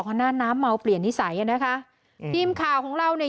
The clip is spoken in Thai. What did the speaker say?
ขณะน้ำเมาเปลี่ยนนิสัยอ่ะนะคะอืมพิมพ์ของเราเนี้ย